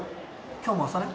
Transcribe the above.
今日も朝練？